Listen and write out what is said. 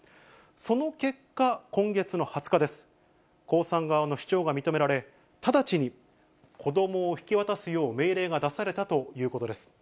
その結果、今月の２０日です、江さん側の主張が認められ、直ちに子どもを引き渡すよう命令が出されたということです。